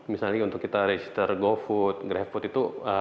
misalnya untuk kita register gofood graffood itu